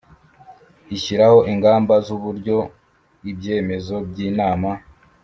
Ishyiraho ingamba z uburyo ibyemezo by inama